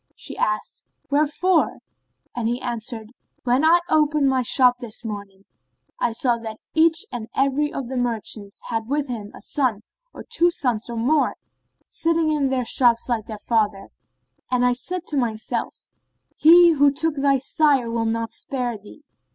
She asked, "Wherefore?" and he answered, "When I opened my shop this morning, I saw that each and every of the merchants had with him a son or two sons or more, sitting in their shops like their fathers; and I said to myself:—He who took thy sire will not spare thee.